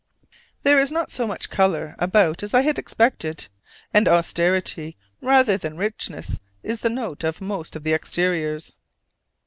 There is not so much color about as I had expected: and austerity rather than richness is the note of most of the exteriors.